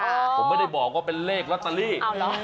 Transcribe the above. ผมไม่ได้บอกว่าเป็นเลขลอตเตอรี่